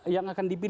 yang akan dipilih